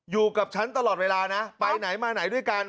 อยู่กับฉันตลอดเวลานะไปไหนมาไหนด้วยกัน